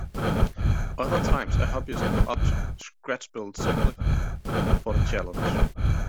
Other times a hobbyist will opt to scratchbuild simply for the challenge.